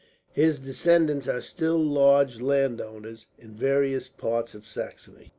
His descendants are still large landowners in various parts of Saxony.